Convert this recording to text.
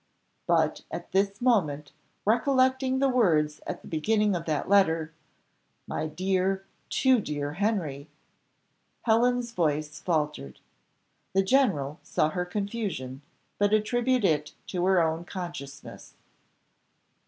But at this moment recollecting the words at the beginning of that letter, "My dear, too dear Henry," Helen's voice faltered. The general saw her confusion, but attributed it to her own consciousness.